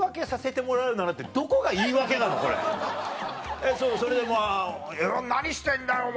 えっそれでもう「何してんだお前！」